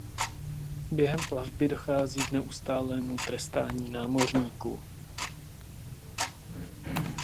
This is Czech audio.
Během plavby dochází k neustálému trestání námořníků.